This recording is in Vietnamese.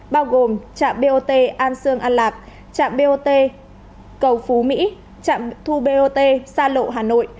bao gồm trạm bot an sương an lạc trạm bot cầu phú mỹ trạm thu bot xa lộ hà nội